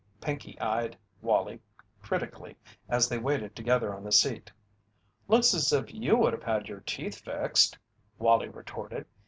Pinkey eyed Wallie critically as they waited together on the seat. "Looks as if you would have had your teeth fixed," Wallie retorted.